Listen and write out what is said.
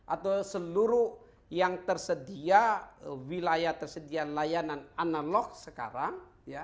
atau seluruh yang tersedia wilayah tersedia layanan analog sekarang